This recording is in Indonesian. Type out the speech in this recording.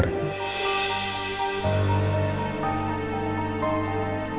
dia juga diadopsi sama keluarga alfahri